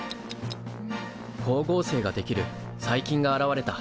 光合成ができる細菌が現れた。